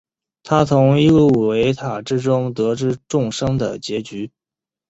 他从伊露维塔之中得知众生的结局。